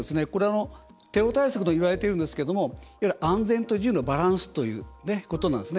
テロ対策で言われてますが安全と自由のバランスということなんですよね。